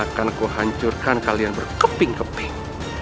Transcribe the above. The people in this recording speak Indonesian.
akan kuhancurkan kalian berkeping keping